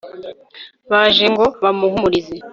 baje ngo bamuhumurize